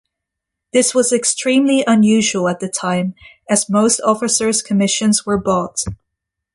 This was extremely unusual at the time as most officers' commissions were bought.